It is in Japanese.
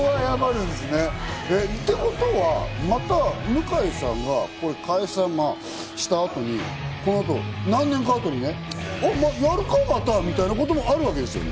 ってことは、また向井さんが解散した後に、この後、何年か後にまたやるかみたいなこともあるわけですよね？